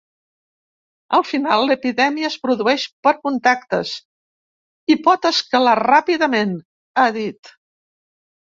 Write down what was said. Al final, l’epidèmia es produeix per contactes i pot escalar ràpidament, ha dit.